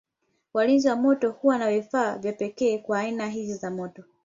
Walinzi wa moto huwa na vifaa vya pekee kwa aina hizi za moto.